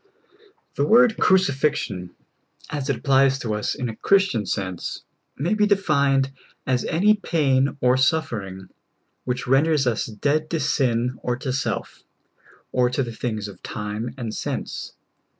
THE word crucifixion, as it applies to us in a Chris tian sense, ma}^ be defined as any pain or suffer ing which renders us dead to sin or to self, or to the things of time and sense.